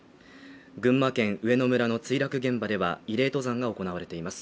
群馬県上野村の墜落現場では慰霊登山が行われています